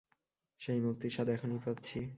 সেই মুক্তির স্বাদ এখনই পাচ্ছি।